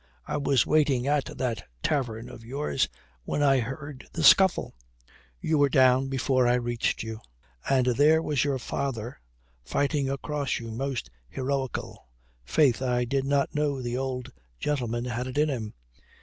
I was waiting at that tavern of yours when I heard the scuffle. You were down before I could reach you, and there was your father fighting across you most heroical. Faith, I did not know the old gentleman had it in him.